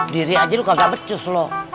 diri aja lu kagak becus loh